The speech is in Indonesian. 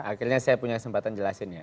akhirnya saya punya kesempatan jelasin ya